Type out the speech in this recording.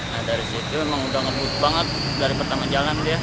nah dari situ memang udah ngebut banget dari pertama jalan dia